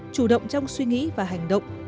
chủ động trong suy nghĩ và hành động